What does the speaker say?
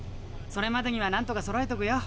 それまでにはなんとかそろえとくよ。